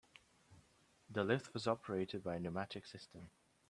The lift was operated by a pneumatic system.